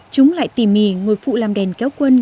chúng lại tìm mì ngồi phụ làm đèn kéo quân